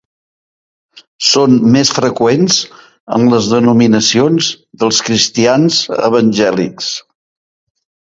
Són més freqüents en les denominacions dels cristians evangèlics.